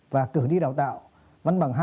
và cực đi đào tạo văn bằng hai